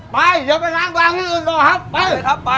ไปเดี๋ยวไปล้านบานขึ้นกันต่อครับไปครับไปไป